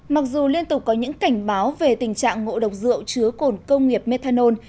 mặc dù liên tục có những cảnh báo về tình trạng ngộ độc rượu chứa cồn công nghiệp methanol